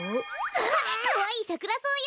あっかわいいサクラソウよ！